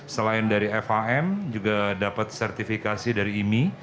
selain dari fam juga dapat sertifikasi dari imi